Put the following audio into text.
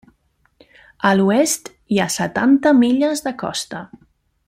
A l'oest hi ha setanta milles de costa.